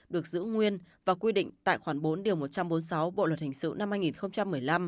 được giữ nguyên và quy định tại khoản bốn điều một trăm bốn mươi sáu bộ luật hình sự năm hai nghìn một mươi năm